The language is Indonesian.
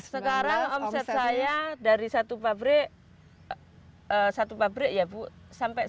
sekarang omset saya dari satu pabrik satu pabrik ya bu sampai satu empat m